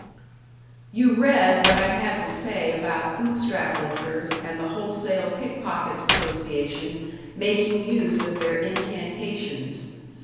You read what I had to say about Bootstrap lifters, and the Wholesale Pickpockets' Association making use of their incantations.